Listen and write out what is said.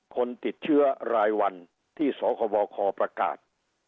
คนติดเชื้อรายวันที่สคบคประกาศ